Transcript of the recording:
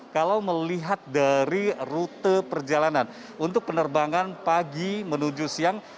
kalau melihat dari rute perjalanan untuk penerbangan pagi menuju siang